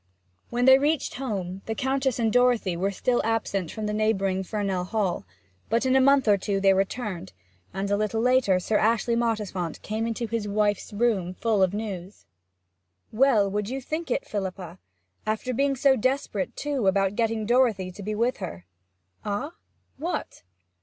When they reached home, the Countess and Dorothy were still absent from the neighbouring Fernell Hall, but in a month or two they returned, and a little later Sir Ashley Mottisfont came into his wife's room full of news. 'Well would you think it, Philippa! After being so desperate, too, about getting Dorothy to be with her!' 'Ah what?'